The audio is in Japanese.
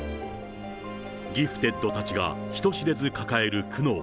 ギフテッドたちが人知れず抱える苦悩。